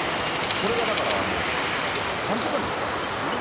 これがだから短時間で降ったってことですよね。